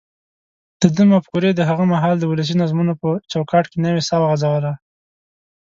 دده مفکورې د هغه مهال د ولسي نظمونو په چوکاټونو کې نوې ساه وغځوله.